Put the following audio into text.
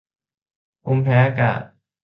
ภูมิแพ้อากาศ